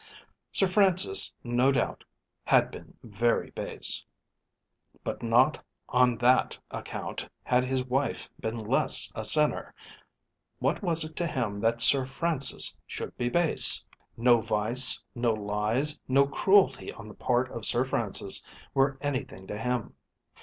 Sir Francis no doubt had been very base, but not on that account had his wife been less a sinner. What was it to him that Sir Francis should be base? No vice, no lies, no cruelty on the part of Sir Francis were anything to him.